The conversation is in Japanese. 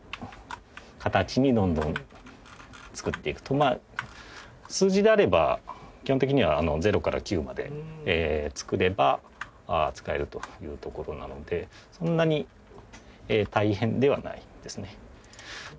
まあ数字であれば基本的には０から９まで作れば使えるというところなのでそんなに大変ではないですね。